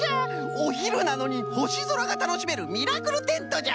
おひるなのにほしぞらがたのしめるミラクルテントじゃ！